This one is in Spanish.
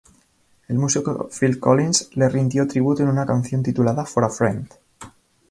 El músico Phil Collins, le rindió tributo en una canción titulada "For a friend".